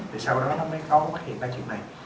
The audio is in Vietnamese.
thì sau đó nó mới có hiện ra chuyện này